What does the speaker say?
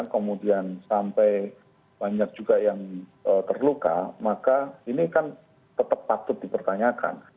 kemudian sampai banyak juga yang terluka maka ini kan tetap patut dipertanyakan